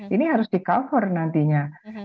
ini harus di cover nantinya